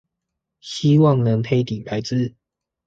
希望能黑底白字